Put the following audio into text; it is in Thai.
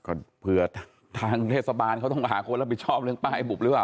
ก็เผื่อทางเทศบาลเขาต้องหาคนรับผิดชอบเรื่องป้ายบุบหรือเปล่า